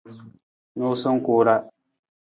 Nuusa ku ra.